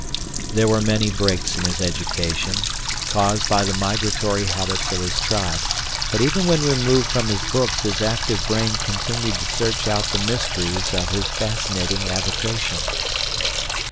There were many breaks in his education, caused by the migratory habits of his tribe, but even when removed from his books his active brain continued to search out the mysteries of his fascinating avocation.